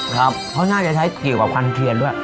เขาน่าจะใช้เกี่ยวกับควันเทียนด้วย